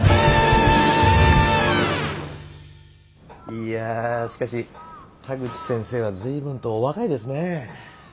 いやしかし田口先生は随分とお若いですね。